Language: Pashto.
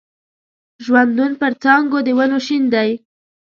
ژوندون پر څانګو د ونو شین دی